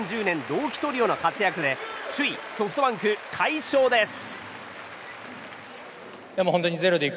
同期トリオの活躍で首位、ソフトバンク快勝です。